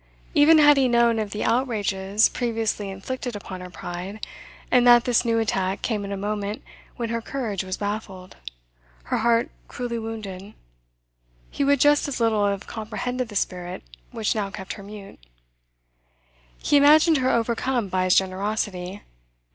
Even had he known of the outrages previously inflicted upon her pride, and that this new attack came at a moment when her courage was baffled, her heart cruelly wounded, he would just as little have comprehended the spirit which now kept her mute. He imagined her overcome by his generosity.